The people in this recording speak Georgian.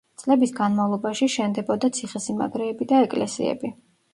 წლების განმავლობაში, შენდებოდა ციხესიმაგრეები და ეკლესიები.